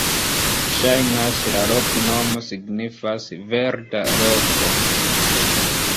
Ŝajnas, la loknomo signifas: "verda loko".